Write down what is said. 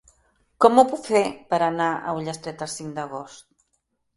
Com ho puc fer per anar a Ullastret el cinc d'agost?